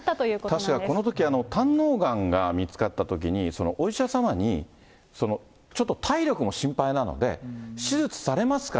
確かこのとき、胆のうがんが見つかったときに、お医者様にちょっと体力も心配なので、手術されますか？